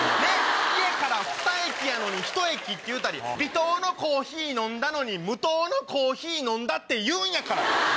家からふた駅やのにひと駅って言うたり微糖のコーヒー飲んだのに無糖のコーヒー飲んだって言うんやから。